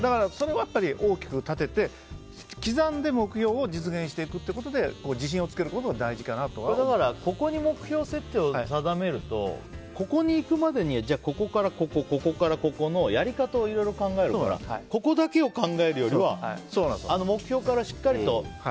大きく立てて、刻んで目標を実現していくことで自信をつけることが大事かなとここに目標設定を定めるとここにいくまでにここからここのやり方をいろいろ考えるからここだけを考えるよりは目標からしっかりと。